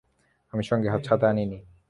আমি সঙ্গে ছাতা আনি নি।